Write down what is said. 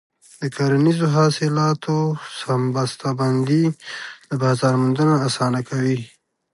د کرنیزو حاصلاتو سم بسته بندي د بازار موندنه اسانه کوي.